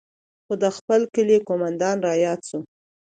خو د خپل کلي قومندان راياد سو.